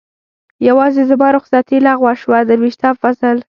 یوازې زما رخصتي لغوه شوه، درویشتم فصل.